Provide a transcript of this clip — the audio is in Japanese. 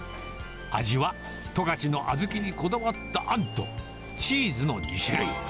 味は十勝のあずきにこだわったあんと、チーズの２種類。